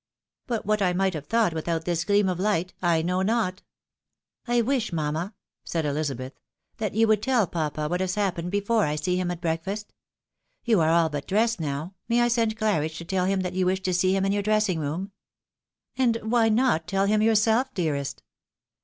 But what I might have thought without this gleam of light, I know not." " I wish' mamma," said Elizabeth, " that you would tell papa what has happened before I see him at breakfast. You are all but dressed now: may I send Claridge to tell him that you wish to see him in your dressing room ?"" And why not tell him yourself, dearest